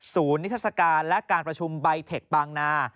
นิทัศกาลและการประชุมใบเทคบางนา